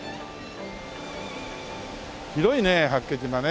広いね八景島ね。